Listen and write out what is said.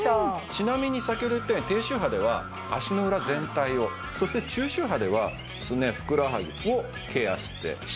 ちなみに先ほど言ったように低周波では足の裏全体をそして中周波ではすねふくらはぎをケアして刺激したいと。